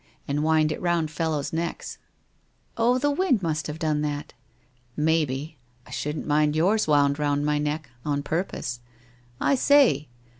and wind it round fellows' necks/ ' Oh, the wind must have done that !' 'Maybe! I shouldn't mind yours wound round my neck — on purpose. I say